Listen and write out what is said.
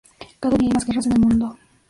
Cada día hay más guerras en el mundo.